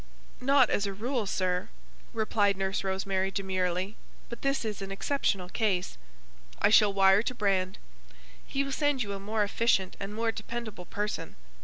"Not as a rule, sir," replied Nurse Rosemary, demurely. "But this is an exceptional case." "I shall wire to Brand." "He will send you a more efficient and more dependable person."